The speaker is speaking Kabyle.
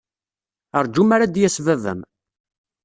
Ṛju mi ara d-yas baba-m.